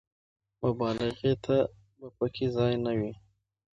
مبالغې ته به په کې ځای نه وي.